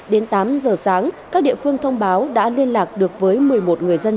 đến tám giờ sáng các địa phương thông báo đã liên lạc được với một mươi một người dân